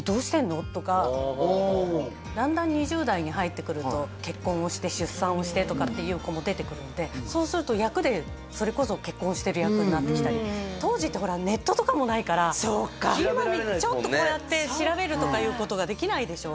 だんだん２０代に入ってくると結婚をして出産をしてとかっていう子も出てくるんでそうすると役でそれこそ結婚してる役になってきたり当時ってほらネットとかもないからちょっとこうやって調べるとかいうことができないでしょ